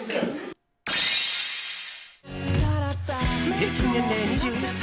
平均年齢２１歳。